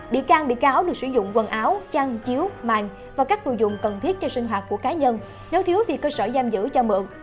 bị can bị cáo được sử dụng quần áo chăn chiếu màng và các đồ dùng cần thiết cho sinh hoạt của cá nhân nếu thiếu cơ sở giam giữ cho mượn